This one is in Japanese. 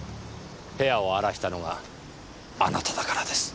部屋を荒らしたのがあなただからです。